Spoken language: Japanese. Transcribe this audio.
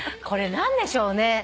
これ何でしょうね。